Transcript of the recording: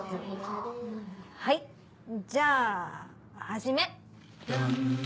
はいじゃあ始め。